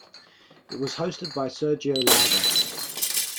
It was hosted by Sergio Lagos.